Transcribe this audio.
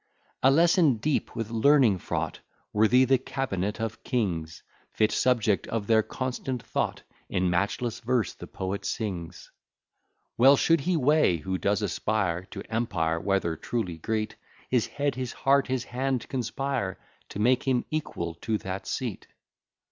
A lesson deep with learning fraught, Worthy the cabinet of kings; Fit subject of their constant thought, In matchless verse the poet sings. Well should he weigh, who does aspire To empire, whether truly great, His head, his heart, his hand, conspire To make him equal to that seat.